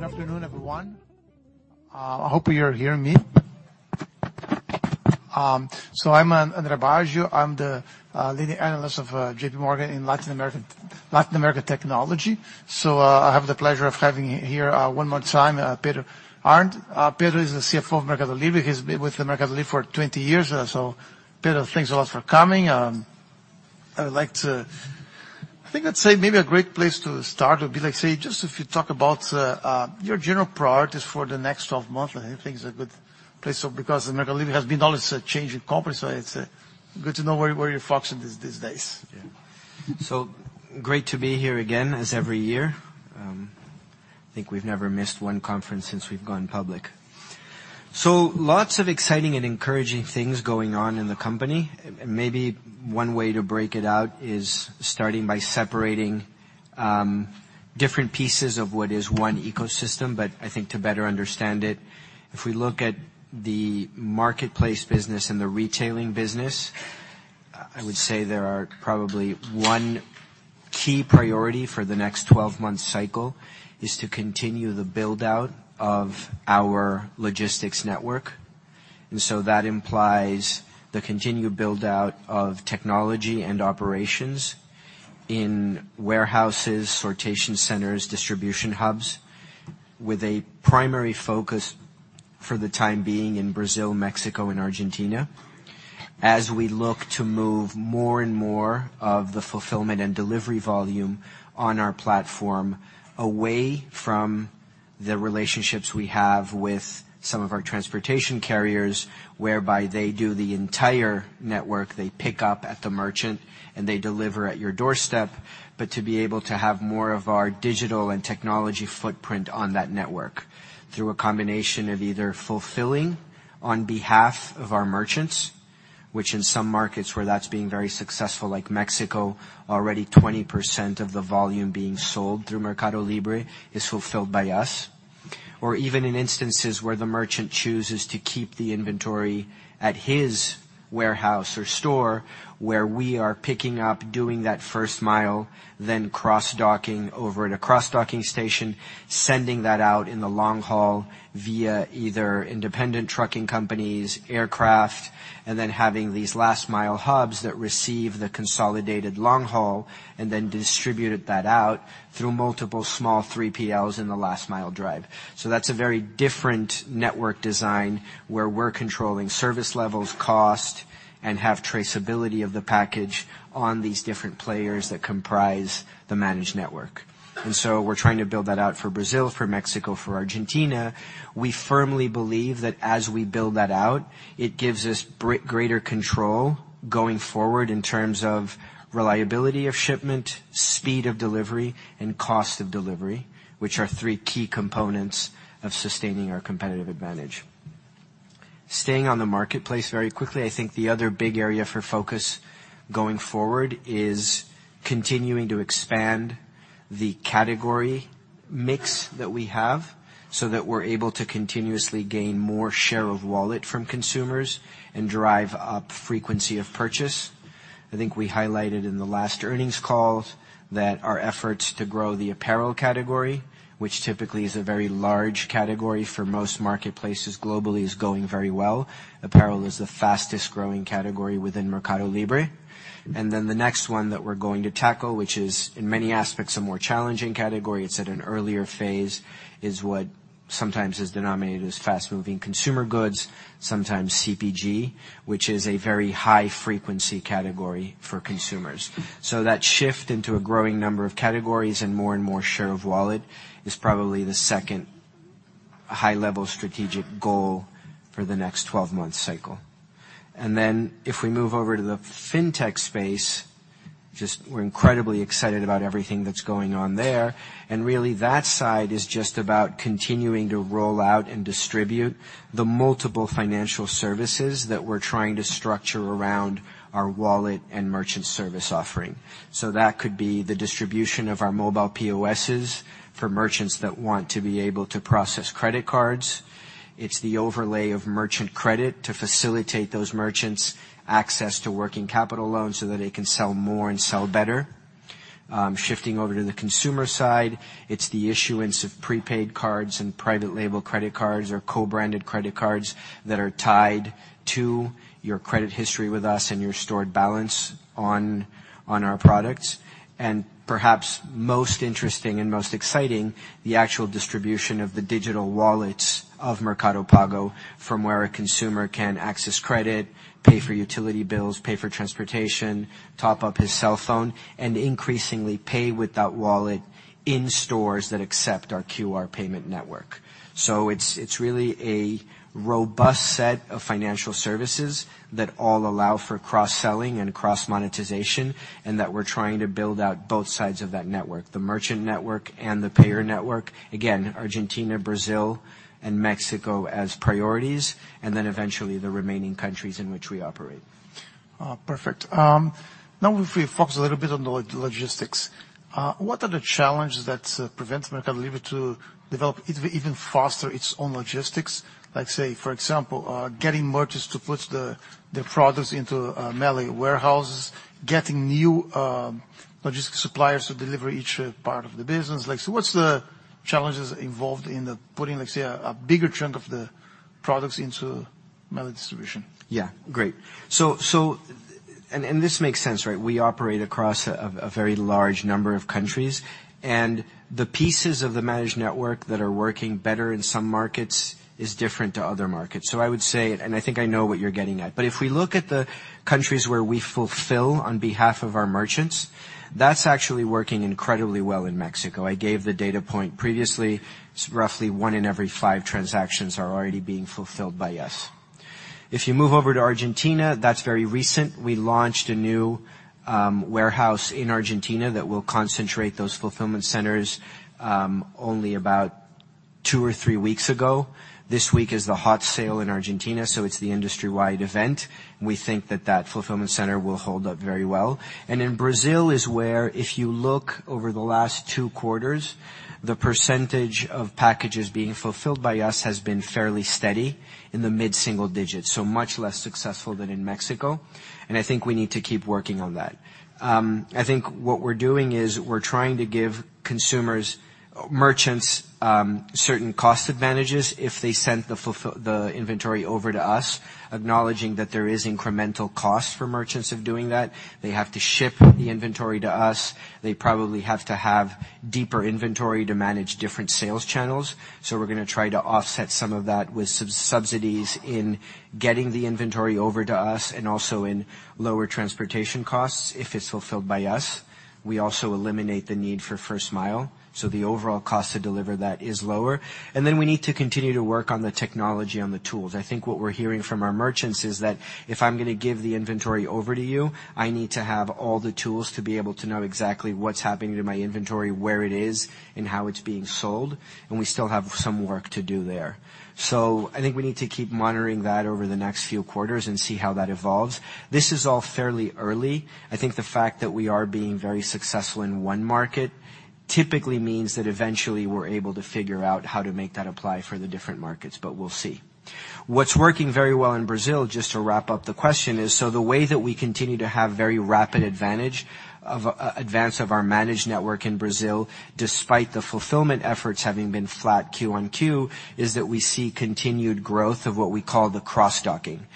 Good afternoon, everyone. I hope you're hearing me. I'm Andre Baggio. I'm the Leading Analyst of JPMorgan in Latin American technology. I have the pleasure of having here, one more time, Pedro Arnt. Pedro is the CFO of MercadoLibre. He's been with MercadoLibre for 20 years. Pedro, thanks a lot for coming. I think I'd say maybe a great place to start would be just if you talk about your general priorities for the next 12 months. I think it's a good place because MercadoLibre has been always a changing company, it's good to know where you're focused these days. Yeah. Great to be here again, as every year. I think we've never missed one conference since we've gone public. Lots of exciting and encouraging things going on in the company. Maybe one way to break it out is starting by separating different pieces of what is one ecosystem. I think to better understand it, if we look at the marketplace business and the retailing business, I would say there are probably one key priority for the next 12-month cycle is to continue the build-out of our logistics network. That implies the continued build-out of technology and operations in warehouses, sortation centers, distribution hubs, with a primary focus for the time being in Brazil, Mexico, and Argentina. As we look to move more and more of the fulfillment and delivery volume on our platform away from the relationships we have with some of our transportation carriers, whereby they do the entire network. They pick up at the merchant, and they deliver at your doorstep. To be able to have more of our digital and technology footprint on that network through a combination of either fulfilling on behalf of our merchants, which in some markets where that's being very successful, like Mexico, already 20% of the volume being sold through MercadoLibre is fulfilled by us. Or even in instances where the merchant chooses to keep the inventory at his warehouse or store, where we are picking up, doing that first mile, then cross-docking over at a cross-docking station, sending that out in the long haul via either independent trucking companies, aircraft. Having these last-mile hubs that receive the consolidated long haul and then distribute that out through multiple small 3PLs in the last-mile drive. That's a very different network design, where we're controlling service levels, cost, and have traceability of the package on these different players that comprise the managed network. We're trying to build that out for Brazil, for Mexico, for Argentina. We firmly believe that as we build that out, it gives us greater control going forward in terms of reliability of shipment, speed of delivery, and cost of delivery, which are three key components of sustaining our competitive advantage. Staying on the marketplace very quickly, I think the other big area for focus going forward is continuing to expand the category mix that we have, so that we're able to continuously gain more share of wallet from consumers and drive up frequency of purchase. I think we highlighted in the last earnings call that our efforts to grow the apparel category, which typically is a very large category for most marketplaces globally, is going very well. Apparel is the fastest-growing category within MercadoLibre. The next one that we're going to tackle, which is in many aspects a more challenging category, it's at an earlier phase, is what sometimes is denominated as fast-moving consumer goods, sometimes CPG, which is a very high-frequency category for consumers. That shift into a growing number of categories and more and more share of wallet is probably the second high-level strategic goal for the next 12-month cycle. If we move over to the fintech space, just we're incredibly excited about everything that's going on there. Really, that side is just about continuing to roll out and distribute the multiple financial services that we're trying to structure around our wallet and merchant service offering. That could be the distribution of our mobile POSs for merchants that want to be able to process credit cards. It's the overlay of merchant credit to facilitate those merchants' access to working capital loans so that they can sell more and sell better. Shifting over to the consumer side, it's the issuance of prepaid cards and private label credit cards or co-branded credit cards that are tied to your credit history with us and your stored balance on our products. Perhaps most interesting and most exciting, the actual distribution of the digital wallets of Mercado Pago, from where a consumer can access credit, pay for utility bills, pay for transportation, top up his cell phone, and increasingly pay with that wallet in stores that accept our QR payment network. It's really a robust set of financial services that all allow for cross-selling and cross-monetization, and that we're trying to build out both sides of that network, the merchant network and the payer network. Again, Argentina, Brazil, and Mexico as priorities, eventually the remaining countries in which we operate. Perfect. If we focus a little bit on the logistics. What are the challenges that prevent MercadoLibre to develop even faster its own logistics? Let's say, for example, getting merchants to put their products into MELI warehouses, getting new logistic suppliers to deliver each part of the business. What's the challenges involved in putting, let's say, a bigger chunk of the products into managed distribution. This makes sense, right? We operate across a very large number of countries, the pieces of the managed network that are working better in some markets is different to other markets. I would say, I think I know what you're getting at, if we look at the countries where we fulfill on behalf of our merchants, that's actually working incredibly well in Mexico. I gave the data point previously. Roughly one in every five transactions are already being fulfilled by us. If you move over to Argentina, that's very recent. We launched a new warehouse in Argentina that will concentrate those fulfillment centers, only about two or three weeks ago. This week is the Hot Sale in Argentina, so it's the industry-wide event. We think that that fulfillment center will hold up very well. In Brazil is where, if you look over the last two quarters, the percentage of packages being fulfilled by us has been fairly steady in the mid-single digits. Much less successful than in Mexico, I think we need to keep working on that. I think what we're doing is we're trying to give merchants certain cost advantages if they send the inventory over to us, acknowledging that there is incremental cost for merchants of doing that. They have to ship the inventory to us. They probably have to have deeper inventory to manage different sales channels. We're going to try to offset some of that with subsidies in getting the inventory over to us and also in lower transportation costs if it's fulfilled by us. We also eliminate the need for first mile, the overall cost to deliver that is lower. We need to continue to work on the technology, on the tools. I think what we're hearing from our merchants is that if I'm going to give the inventory over to you, I need to have all the tools to be able to know exactly what's happening to my inventory, where it is, and how it's being sold, we still have some work to do there. I think we need to keep monitoring that over the next few quarters and see how that evolves. This is all fairly early. I think the fact that we are being very successful in one market typically means that eventually we're able to figure out how to make that apply for the different markets, we'll see. What's working very well in Brazil, just to wrap up the question, is the way that we continue to have very rapid advance of our managed network in Brazil, despite the fulfillment efforts having been flat Q1 to Q, is that we see continued growth of what we call the cross-docking.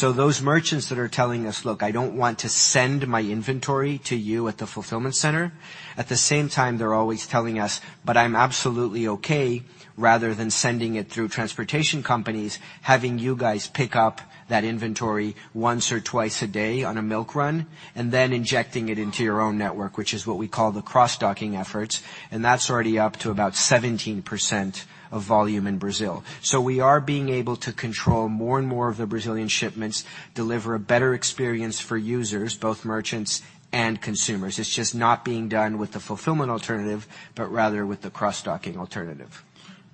Those merchants that are telling us, "Look, I don't want to send my inventory to you at the fulfillment center," at the same time, they're always telling us, "I'm absolutely okay, rather than sending it through transportation companies, having you guys pick up that inventory once or twice a day on a milk run, injecting it into your own network," which is what we call the cross-docking efforts. That's already up to about 17% of volume in Brazil. We are being able to control more and more of the Brazilian shipments, deliver a better experience for users, both merchants and consumers. It's just not being done with the fulfillment alternative, but rather with the cross-docking alternative.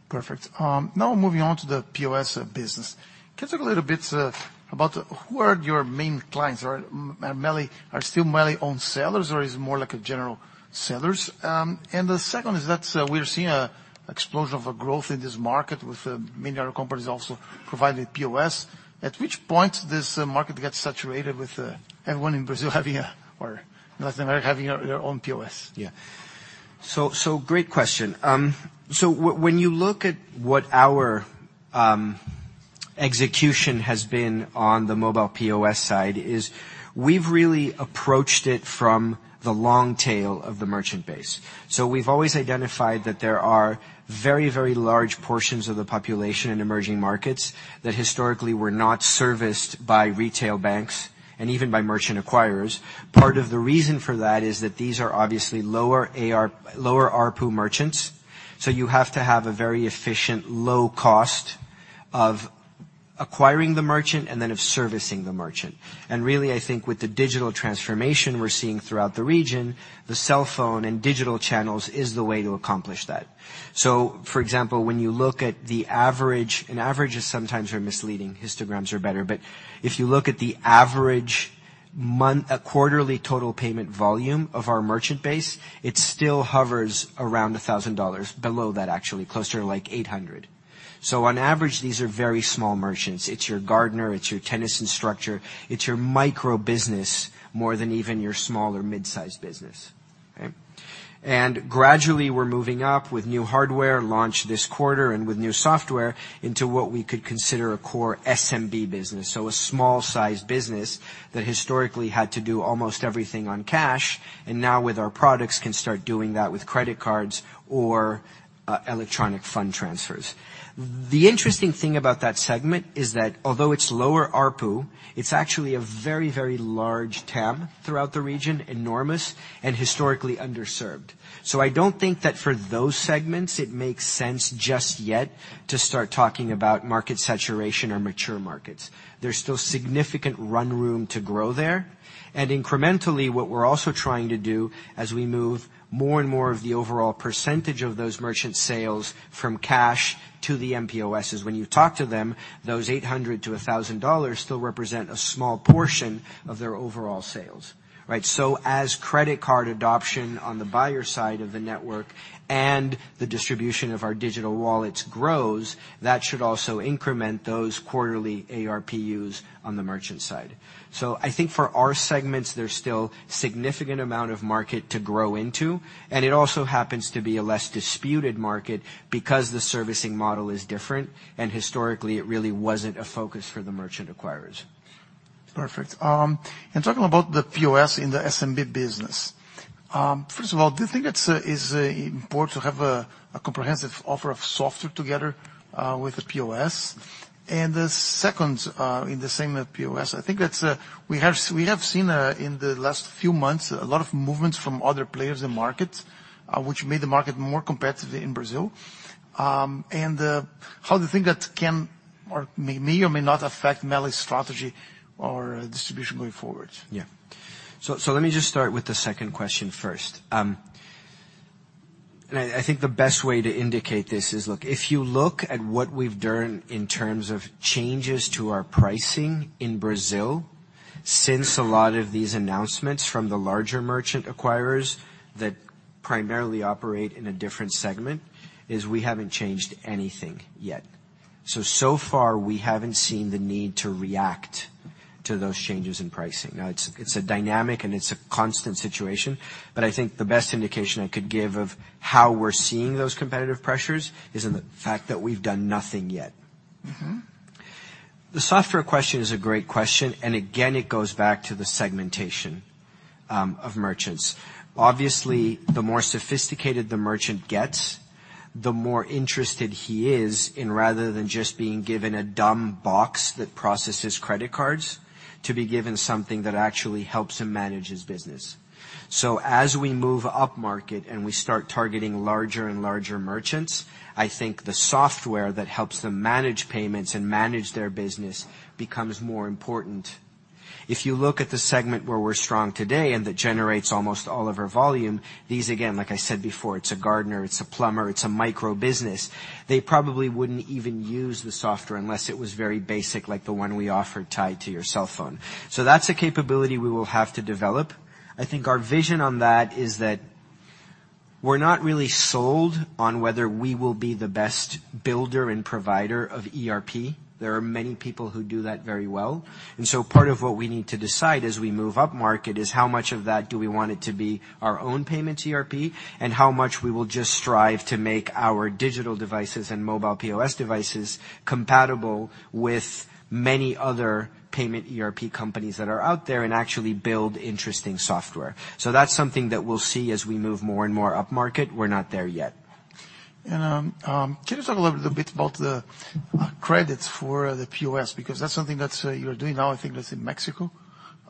Perfect. Now moving on to the POS business. Can you talk a little bit about who are your main clients are? Are still mainly own sellers, or is more like a general sellers? The second is that we're seeing an explosion of growth in this market with many other companies also providing POS. At which point this market gets saturated with everyone in Brazil having a or Latin America having their own POS? Yeah. Great question. When you look at what our execution has been on the mobile POS side is we've really approached it from the long tail of the merchant base. We've always identified that there are very large portions of the population in emerging markets that historically were not serviced by retail banks and even by merchant acquirers. Part of the reason for that is that these are obviously lower ARPU merchants. You have to have a very efficient, low cost of acquiring the merchant and then of servicing the merchant. Really, I think with the digital transformation we're seeing throughout the region, the cell phone and digital channels is the way to accomplish that. For example, when you look at the average, and averages sometimes are misleading, histograms are better, but if you look at the average quarterly total payment volume of our merchant base, it still hovers around $1,000, below that actually, closer to like $800. On average, these are very small merchants. It's your gardener. It's your tennis instructor. It's your micro business more than even your small or mid-size business. Okay. Gradually we're moving up with new hardware launched this quarter and with new software into what we could consider a core SMB business. A small-sized business that historically had to do almost everything on cash, and now with our products, can start doing that with credit cards or electronic fund transfers. The interesting thing about that segment is that although it's lower ARPU, it's actually a very large TAM throughout the region, enormous, and historically underserved. I don't think that for those segments, it makes sense just yet to start talking about market saturation or mature markets. There's still significant run room to grow there. Incrementally, what we're also trying to do as we move more and more of the overall percentage of those merchant sales from cash to the mPOS is when you talk to them, those $800-$1,000 still represent a small portion of their overall sales. Right? As credit card adoption on the buyer side of the network and the distribution of our digital wallets grows, that should also increment those quarterly ARPUs on the merchant side. I think for our segments, there's still significant amount of market to grow into, and it also happens to be a less disputed market because the servicing model is different, and historically, it really wasn't a focus for the merchant acquirers. Perfect. Talking about the POS in the SMB business. First of all, do you think it's important to have a comprehensive offer of software together with the POS? The second, in the same POS, I think we have seen in the last few months, a lot of movements from other players in the market, which made the market more competitive in Brazil. How do you think that can or may or may not affect MELI's strategy or distribution going forward? Yeah. Let me just start with the second question first. I think the best way to indicate this is look, if you look at what we've done in terms of changes to our pricing in Brazil, since a lot of these announcements from the larger merchant acquirers that primarily operate in a different segment, is we haven't changed anything yet. Far we haven't seen the need to react to those changes in pricing. Now it's a dynamic and it's a constant situation, I think the best indication I could give of how we're seeing those competitive pressures is in the fact that we've done nothing yet. The software question is a great question, again, it goes back to the segmentation of merchants. Obviously, the more sophisticated the merchant gets, the more interested he is in rather than just being given a dumb box that processes credit cards, to be given something that actually helps him manage his business. As we move up market and we start targeting larger and larger merchants, I think the software that helps them manage payments and manage their business becomes more important. If you look at the segment where we're strong today and that generates almost all of our volume, these again, like I said before, it's a gardener, it's a plumber, it's a micro business. They probably wouldn't even use the software unless it was very basic, like the one we offered tied to your cell phone. That's a capability we will have to develop. I think our vision on that is that we're not really sold on whether we will be the best builder and provider of ERP. There are many people who do that very well. Part of what we need to decide as we move up market is how much of that do we want it to be our own payments ERP, and how much we will just strive to make our digital devices and mobile POS devices compatible with many other payment ERP companies that are out there and actually build interesting software. That's something that we'll see as we move more and more upmarket. We're not there yet. Can you talk a little bit about the credits for the POS, because that's something that you're doing now, I think that's in Mexico.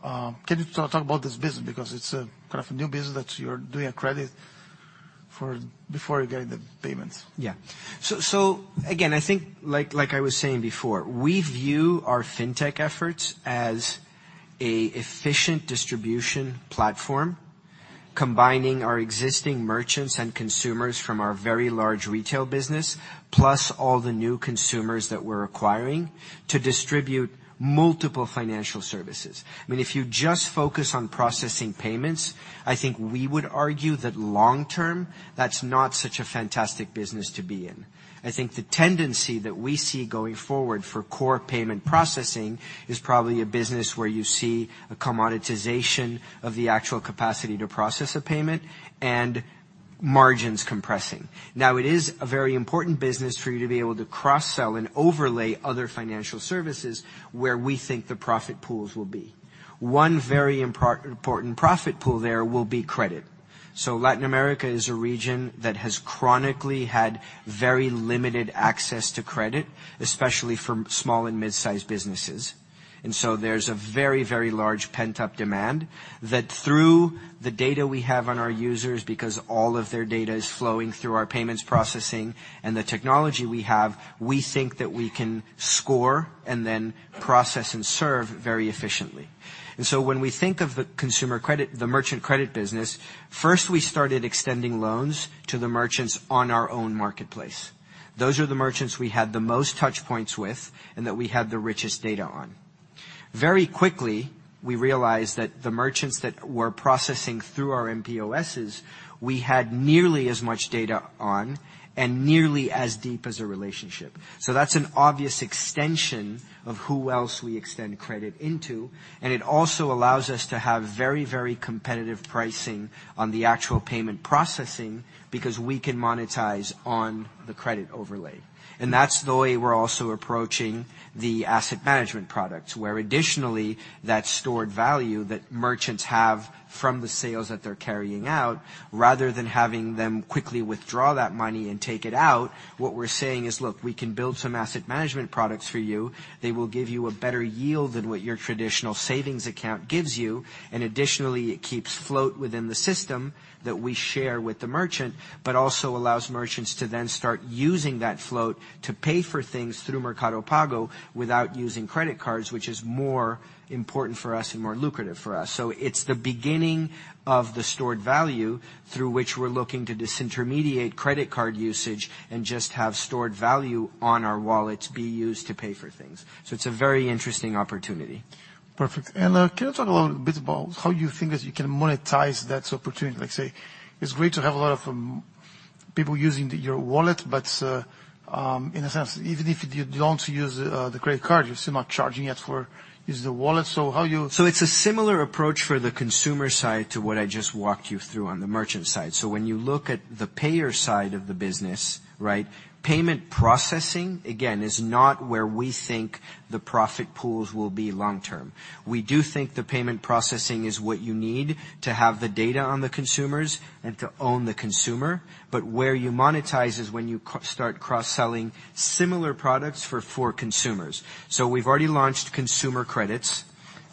Can you talk about this business because it's kind of a new business that you're doing a credit before getting the payments. Again, I think like I was saying before, we view our fintech efforts as a efficient distribution platform, combining our existing merchants and consumers from our very large retail business, plus all the new consumers that we're acquiring to distribute multiple financial services. If you just focus on processing payments, I think we would argue that long-term, that's not such a fantastic business to be in. I think the tendency that we see going forward for core payment processing is probably a business where you see a commoditization of the actual capacity to process a payment and margins compressing. Now, it is a very important business for you to be able to cross-sell and overlay other financial services where we think the profit pools will be. One very important profit pool there will be credit. Latin America is a region that has chronically had very limited access to credit, especially for small and mid-sized businesses. There's a very large pent-up demand that through the data we have on our users, because all of their data is flowing through our payments processing and the technology we have, we think that we can score and then process and serve very efficiently. When we think of the merchant credit business, first we started extending loans to the merchants on our own marketplace. Those are the merchants we had the most touchpoints with, and that we had the richest data on. Very quickly, we realized that the merchants that were processing through our mPOSs, we had nearly as much data on and nearly as deep as a relationship. That's an obvious extension of who else we extend credit into, and it also allows us to have very competitive pricing on the actual payment processing because we can monetize on the credit overlay. That's the way we're also approaching the asset management products, where additionally, that stored value that merchants have from the sales that they're carrying out, rather than having them quickly withdraw that money and take it out, what we're saying is, "Look, we can build some asset management products for you. They will give you a better yield than what your traditional savings account gives you." Additionally, it keeps float within the system that we share with the merchant, but also allows merchants to then start using that float to pay for things through Mercado Pago without using credit cards, which is more important for us and more lucrative for us. It's the beginning of the stored value through which we're looking to disintermediate credit card usage and just have stored value on our wallets be used to pay for things. It's a very interesting opportunity. Perfect. Can you talk a little bit about how you think that you can monetize that opportunity? Like say, it's great to have a lot of people using your wallet, but in a sense, even if you don't use the credit card, you're still not charging it for use of the wallet. how you- It's a similar approach for the consumer side to what I just walked you through on the merchant side. When you look at the payer side of the business, right? Payment processing, again, is not where we think the profit pools will be long-term. We do think the payment processing is what you need to have the data on the consumers and to own the consumer. Where you monetize is when you start cross-selling similar products for consumers. We've already launched consumer credits.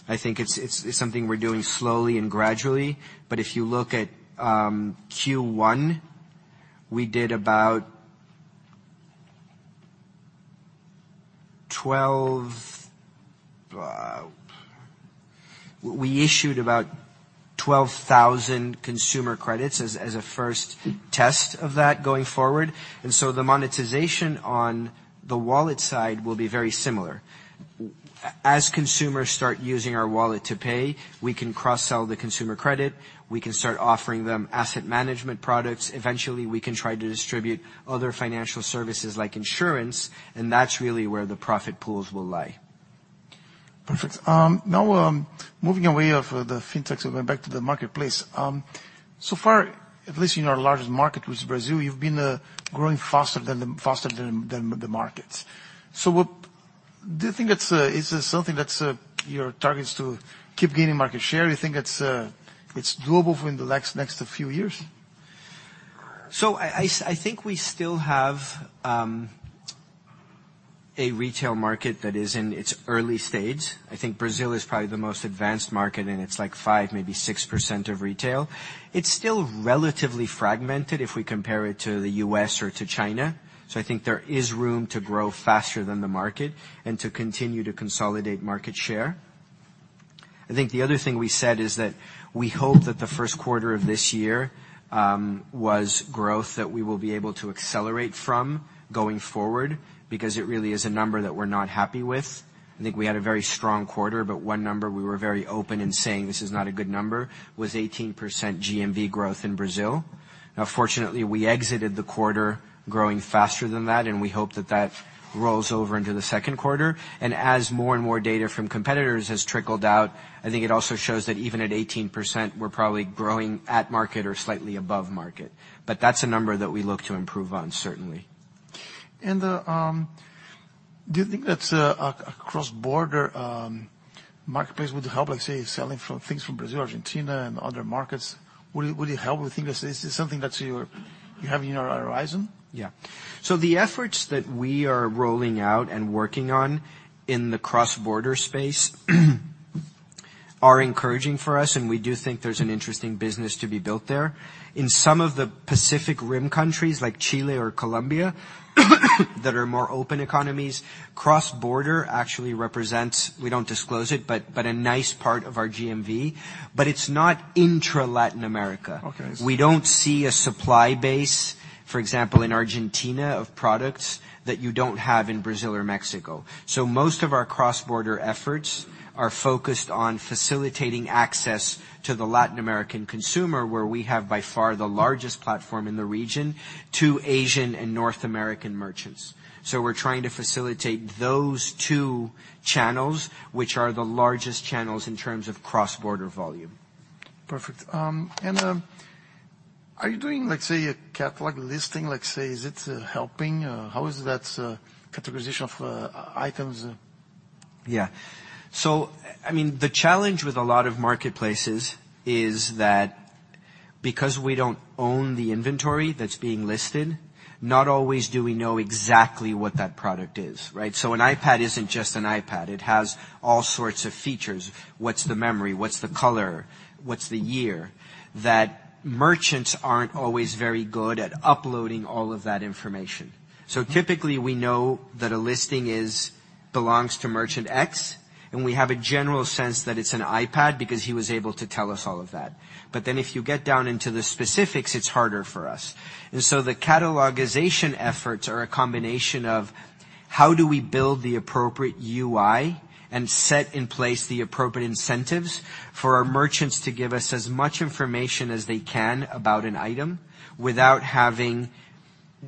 I think it's something we're doing slowly and gradually. If you look at Q1, we issued about 12,000 consumer credits as a first test of that going forward. The monetization on the wallet side will be very similar. As consumers start using our wallet to pay, we can cross-sell the consumer credit. We can start offering them asset management products. Eventually, we can try to distribute other financial services like insurance, and that's really where the profit pools will lie. Perfect. Now, moving away of the fintech, going back to the marketplace. So far, at least in our largest market, which is Brazil, you've been growing faster than the markets. Do you think that it's something that's your target is to keep gaining market share? You think it's doable for the next few years? I think we still have a retail market that is in its early stage. I think Brazil is probably the most advanced market, and it's like 5%, maybe 6% of retail. It's still relatively fragmented if we compare it to the U.S. or to China. I think there is room to grow faster than the market and to continue to consolidate market share. I think the other thing we said is that we hope that the first quarter of this year was growth that we will be able to accelerate from going forward because it really is a number that we're not happy with. I think we had a very strong quarter, but one number we were very open in saying this is not a good number was 18% GMV growth in Brazil. Now, fortunately, we exited the quarter growing faster than that, and we hope that that rolls over into the second quarter. As more and more data from competitors has trickled out, I think it also shows that even at 18%, we're probably growing at market or slightly above market. That's a number that we look to improve on, certainly. Do you think that a cross-border marketplace would help, let's say, selling things from Brazil, Argentina, and other markets, would it help? Do you think this is something that you have in your horizon? Yeah. The efforts that we are rolling out and working on in the cross-border space are encouraging for us, and we do think there's an interesting business to be built there. In some of the Pacific Rim countries like Chile or Colombia that are more open economies, cross-border actually represents, we don't disclose it, but a nice part of our GMV. It's not intra-Latin America. Okay. We don't see a supply base, for example, in Argentina of products that you don't have in Brazil or Mexico. Most of our cross-border efforts are focused on facilitating access to the Latin American consumer, where we have by far the largest platform in the region to Asian and North American merchants. We're trying to facilitate those two channels, which are the largest channels in terms of cross-border volume. Perfect. Are you doing, let's say, a catalog listing? Let's say, is it helping? How is that categorization of items? Yeah. The challenge with a lot of marketplaces is that because we don't own the inventory that's being listed, not always do we know exactly what that product is, right? An iPad isn't just an iPad. It has all sorts of features. What's the memory? What's the color? What's the year? That merchants aren't always very good at uploading all of that information. Typically, we know that a listing belongs to merchant X, and we have a general sense that it's an iPad because he was able to tell us all of that. If you get down into the specifics, it's harder for us. The catalogization efforts are a combination of how do we build the appropriate UI and set in place the appropriate incentives for our merchants to give us as much information as they can about an item without having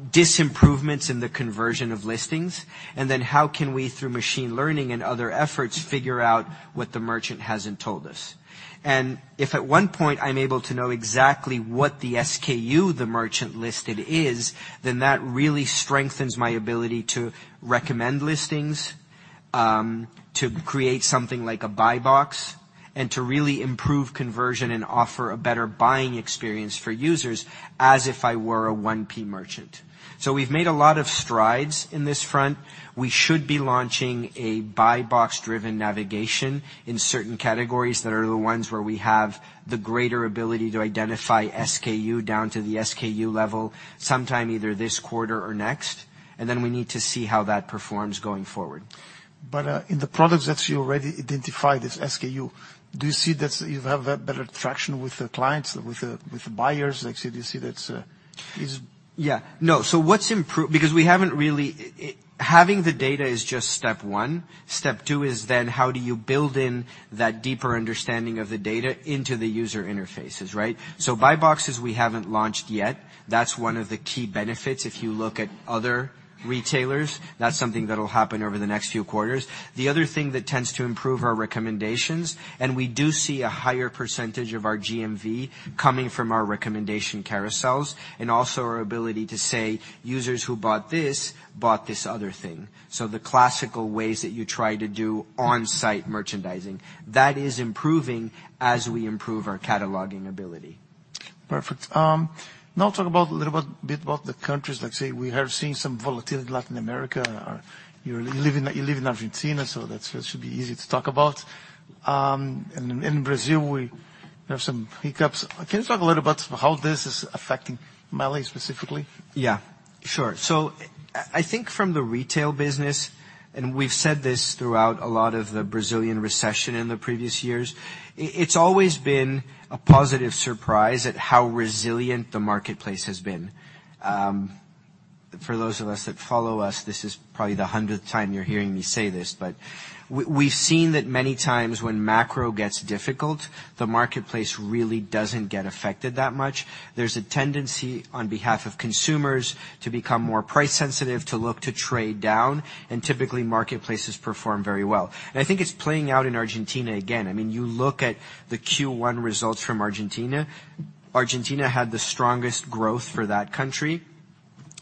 disimprovements in the conversion of listings. How can we, through machine learning and other efforts, figure out what the merchant hasn't told us. If at one point I'm able to know exactly what the SKU the merchant listed is, that really strengthens my ability to recommend listings, to create something like a buy box, and to really improve conversion and offer a better buying experience for users as if I were a 1P merchant. We've made a lot of strides in this front. We should be launching a buy box-driven navigation in certain categories that are the ones where we have the greater ability to identify SKU down to the SKU level, sometime either this quarter or next, and then we need to see how that performs going forward. In the products that you already identified as SKU, do you see that you have a better traction with the clients, with the buyers? No, because we haven't really. Having the data is just step one. Step two is how do you build in that deeper understanding of the data into the user interfaces, right? Buy boxes we haven't launched yet. That's one of the key benefits if you look at other retailers. That's something that'll happen over the next few quarters. The other thing that tends to improve our recommendations, and we do see a higher percentage of our GMV coming from our recommendation carousels, and also our ability to say users who bought this, bought this other thing. The classical ways that you try to do on-site merchandising. That is improving as we improve our cataloging ability. Perfect. Talk a little bit about the countries, like say, we have seen some volatility in Latin America. You live in Argentina, that should be easy to talk about. In Brazil, we have some hiccups. Can you talk a little about how this is affecting MELI specifically? Sure. I think from the retail business, and we've said this throughout a lot of the Brazilian recession in the previous years. It's always been a positive surprise at how resilient the marketplace has been. For those of us that follow us, this is probably the 100th time you're hearing me say this, but we've seen that many times when macro gets difficult, the marketplace really doesn't get affected that much. There's a tendency on behalf of consumers to become more price sensitive, to look to trade down, and typically marketplaces perform very well. I think it's playing out in Argentina again. You look at the Q1 results from Argentina. Argentina had the strongest growth for that country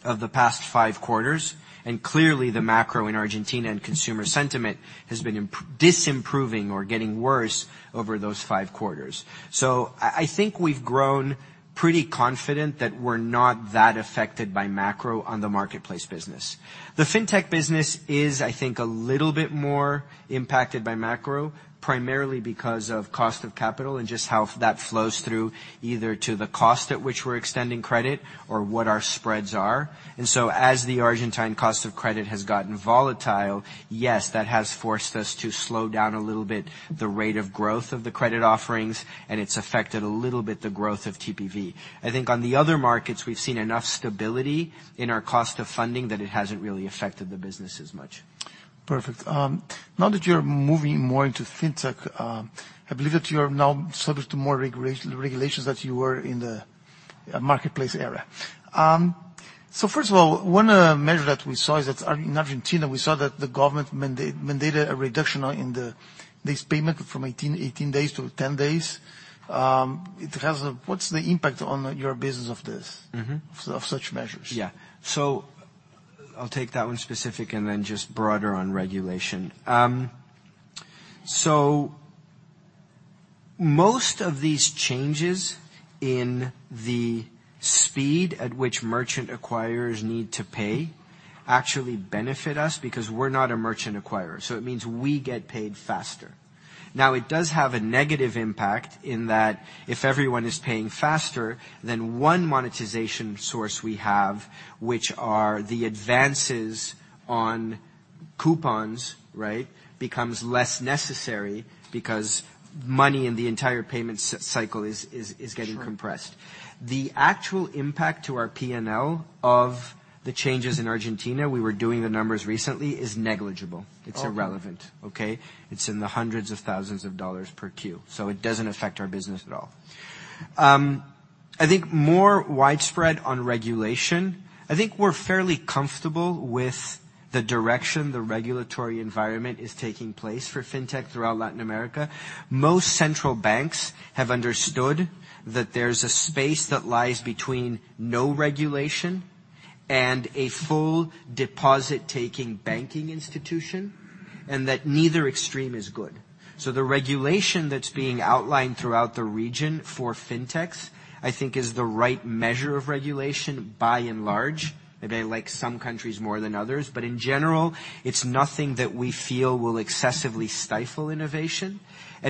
of the past five quarters. Clearly the macro in Argentina and consumer sentiment has been dis-improving or getting worse over those five quarters. I think we've grown pretty confident that we're not that affected by macro on the marketplace business. The fintech business is, I think, a little bit more impacted by macro, primarily because of cost of capital and just how that flows through either to the cost at which we're extending credit or what our spreads are. As the Argentine cost of credit has gotten volatile, yes, that has forced us to slow down a little bit the rate of growth of the credit offerings, and it's affected a little bit the growth of TPV. I think on the other markets, we've seen enough stability in our cost of funding that it hasn't really affected the business as much. Perfect. Now that you're moving more into fintech, I believe that you are now subject to more regulations than you were in the marketplace era. First of all, one measure that we saw is that in Argentina, we saw that the government mandated a reduction in this payment from 18 days to 10 days. What's the impact on your business of this? Of such measures? Yeah. I'll take that one specific and then just broader on regulation. Most of these changes in the speed at which merchant acquirers need to pay actually benefit us because we're not a merchant acquirer. It means we get paid faster. Now it does have a negative impact in that if everyone is paying faster, then one monetization source we have, which are the advances on coupons, right, becomes less necessary because money in the entire payment cycle is getting compressed. Sure. The actual impact to our P&L of the changes in Argentina, we were doing the numbers recently, is negligible. Okay. It's irrelevant. Okay? It's in the hundreds of thousands of dollars per Q. It doesn't affect our business at all. I think more widespread on regulation. I think we're fairly comfortable with the direction the regulatory environment is taking place for fintech throughout Latin America. Most central banks have understood that there's a space that lies between no regulation and a full deposit-taking banking institution, and that neither extreme is good. The regulation that's being outlined throughout the region for fintechs, I think is the right measure of regulation by and large. They like some countries more than others. In general, it's nothing that we feel will excessively stifle innovation.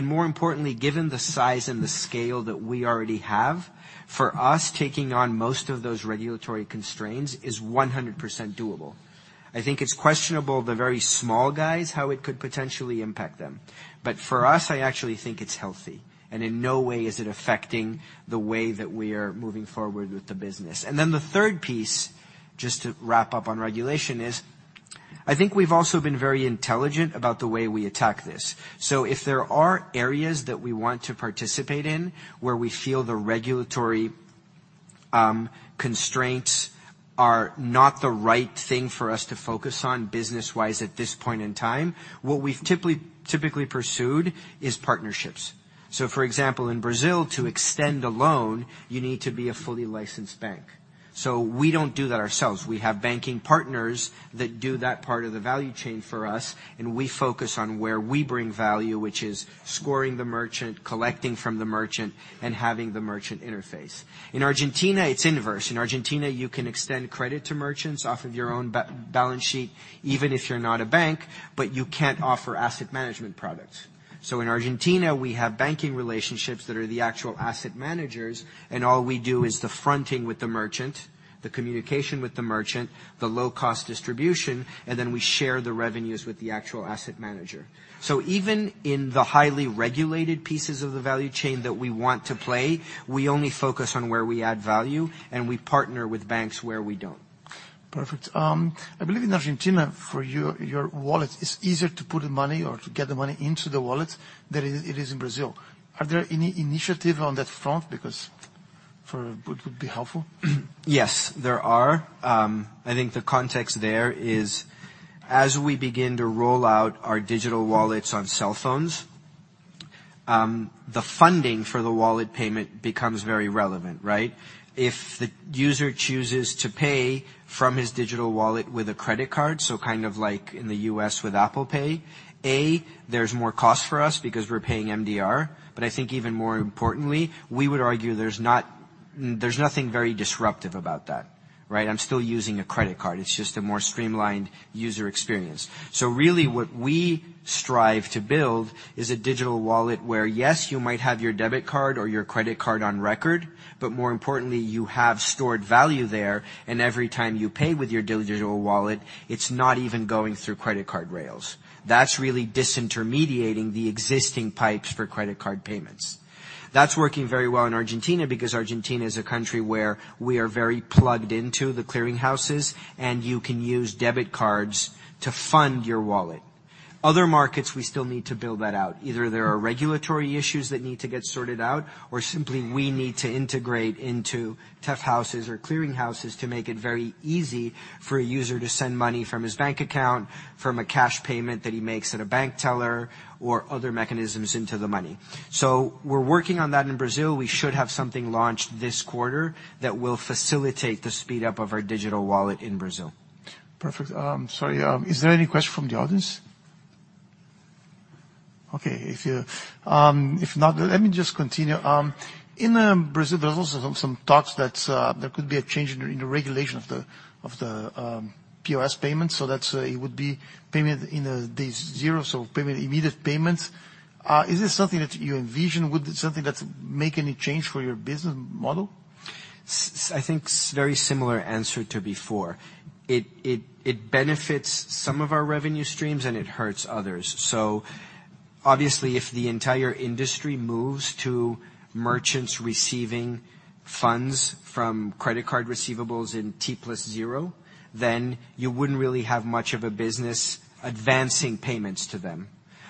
More importantly, given the size and the scale that we already have, for us, taking on most of those regulatory constraints is 100% doable. I think it's questionable the very small guys, how it could potentially impact them. For us, I actually think it's healthy, and in no way is it affecting the way that we are moving forward with the business. The third piece, just to wrap up on regulation is, I think we've also been very intelligent about the way we attack this. If there are areas that we want to participate in, where we feel the regulatory constraints are not the right thing for us to focus on business-wise at this point in time, what we've typically pursued is partnerships. For example, in Brazil, to extend a loan, you need to be a fully licensed bank. We don't do that ourselves. We have banking partners that do that part of the value chain for us, and we focus on where we bring value, which is scoring the merchant, collecting from the merchant, and having the merchant interface. In Argentina, it's inverse. In Argentina, you can extend credit to merchants off of your own balance sheet, even if you're not a bank, but you can't offer asset management products. In Argentina, we have banking relationships that are the actual asset managers, and all we do is the fronting with the merchant, the communication with the merchant, the low-cost distribution, and then we share the revenues with the actual asset manager. Even in the highly regulated pieces of the value chain that we want to play, we only focus on where we add value, and we partner with banks where we don't. Perfect. I believe in Argentina for your wallet, it's easier to put the money or to get the money into the wallet than it is in Brazil. Are there any initiative on that front? Because would be helpful. Yes, there are. I think the context there is as we begin to roll out our digital wallets on cell phones, the funding for the wallet payment becomes very relevant, right? If the user chooses to pay from his digital wallet with a credit card, so kind of like in the U.S. with Apple Pay, there's more cost for us because we're paying MDR. I think even more importantly, we would argue there's nothing very disruptive about that, right? I'm still using a credit card. It's just a more streamlined user experience. Really what we strive to build is a digital wallet where, yes, you might have your debit card or your credit card on record, but more importantly, you have stored value there, and every time you pay with your digital wallet, it's not even going through credit card rails. That's really disintermediating the existing pipes for credit card payments. That's working very well in Argentina because Argentina is a country where we are very plugged into the clearing houses, and you can use debit cards to fund your wallet. Other markets, we still need to build that out. Either there are regulatory issues that need to get sorted out, or simply we need to integrate into TEF houses or clearing houses to make it very easy for a user to send money from his bank account, from a cash payment that he makes at a bank teller, or other mechanisms into the money. We're working on that in Brazil. We should have something launched this quarter that will facilitate the speed up of our digital wallet in Brazil. Perfect. Sorry, is there any question from the audience? Okay, if not, let me just continue. In Brazil, there's also some talks that there could be a change in the regulation of the POS payments, so that it would be payment in the day zero, so immediate payments. Is this something that you envision? Would it make any change for your business model? I think very similar answer to before. It benefits some of our revenue streams, and it hurts others. Obviously, if the entire industry moves to merchants receiving funds from credit card receivables in T plus zero, then you wouldn't really have much of a business advancing payments to them.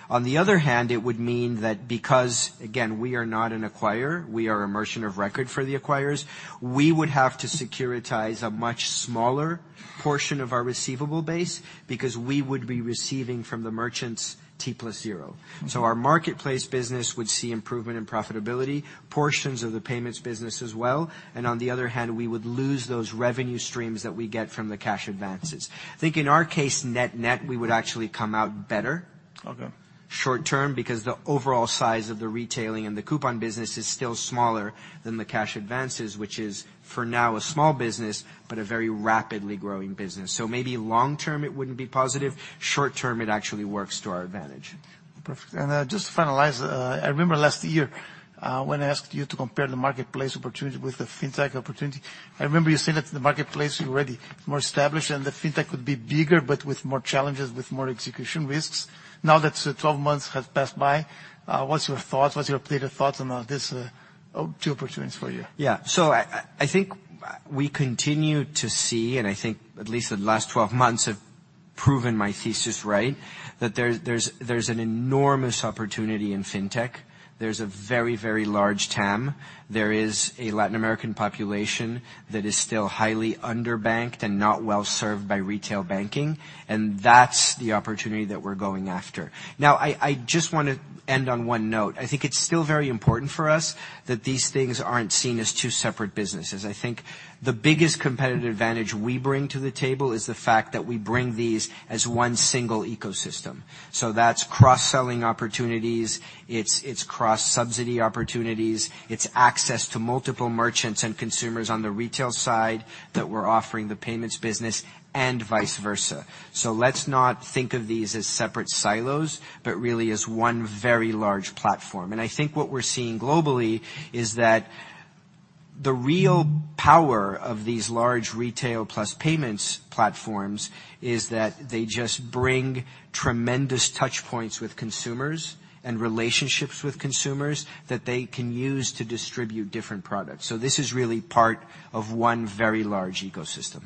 On the other hand, it would mean that because, again, we are not an acquirer, we are a merchant of record for the acquirers, we would have to securitize a much smaller portion of our receivable base because we would be receiving from the merchants T plus zero. Our marketplace business would see improvement in profitability, portions of the payments business as well, and on the other hand, we would lose those revenue streams that we get from the cash advances. I think in our case, net-net, we would actually come out better- Okay short term because the overall size of the retailing and the coupon business is still smaller than the cash advances, which is, for now, a small business, but a very rapidly growing business. Maybe long term it wouldn't be positive. Short term, it actually works to our advantage. Perfect. Just to finalize, I remember last year, when I asked you to compare the marketplace opportunity with the fintech opportunity, I remember you saying that the marketplace already more established and the fintech would be bigger, but with more challenges, with more execution risks. Now that 12 months has passed by, what's your thoughts? What's your updated thoughts on these two opportunities for you? Yeah. I think we continue to see, and I think at least the last 12 months have proven my thesis right, that there's an enormous opportunity in fintech. There's a very, very large TAM. There is a Latin American population that is still highly underbanked and not well served by retail banking, and that's the opportunity that we're going after. Now, I just want to end on one note. I think it's still very important for us that these things aren't seen as two separate businesses. I think the biggest competitive advantage we bring to the table is the fact that we bring these as one single ecosystem. That's cross-selling opportunities, it's cross-subsidy opportunities, it's access to multiple merchants and consumers on the retail side that we're offering the payments business, and vice versa. Let's not think of these as separate silos, but really as one very large platform. I think what we're seeing globally is that the real power of these large retail plus payments platforms is that they just bring tremendous touch points with consumers and relationships with consumers that they can use to distribute different products. This is really part of one very large ecosystem.